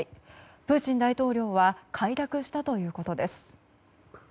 プーチン大統領は快諾したということです。